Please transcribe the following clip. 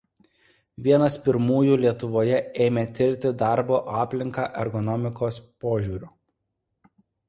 Vienas pirmųjų Lietuvoje ėmė tirti darbo aplinką ergonomikos požiūriu.